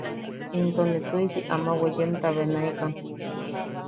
Into ne tuʼisi ama weeyenta benaikan.